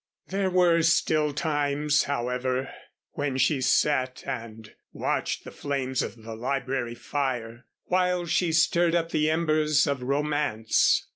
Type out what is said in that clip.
There were still times, however, when she sat and watched the flames of the library fire while she stirred up the embers of romance.